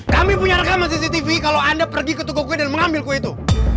kami punya rekaman cctv kalau anda pergi ke toko kue dan mengambil kue itu